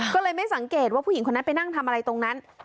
ก็เลยไม่สังเกตว่าผู้หญิงคนนั้นไปนั่งทำอะไรตรงนั้น